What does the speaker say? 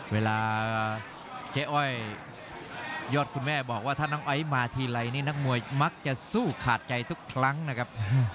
เวลาเจ๊อ้อยยอดคุณแม่บอกว่าถ้าน้องไอซ์มาทีไรนี่นักมวยมักจะสู้ขาดใจทุกครั้งนะครับ